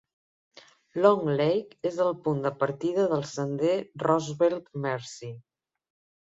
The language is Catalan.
Long Lake és el punt de partida del sender Roosevelt-Marcy.